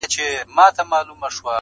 o سياسي نقد ته بيايي,